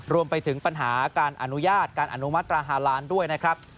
รวมไปถึงปัญหาการอนุญาตการอนุมัตรา๕ล้านด้วยนะครับ